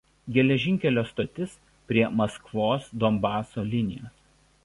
Geležinkelio stotis prie Maskvos–Donbaso linijos.